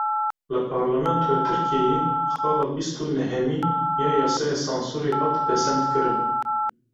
Li Parlamentoya Tirkiyeyê xala bîst û nehemîn ya yasaya sansûrê hat pesendkirin.